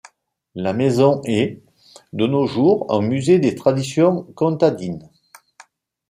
La maison est, de nos jours, un musée des traditions comtadines.